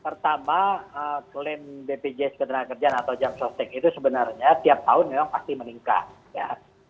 pertama klaim bpjs ketenaga kerjaan atau jamstostek itu sebenarnya tiap tahun yang pasti meningkat